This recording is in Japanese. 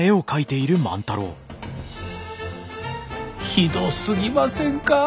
ひどすぎませんか？